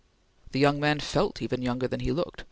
The younger man felt even younger than he looked.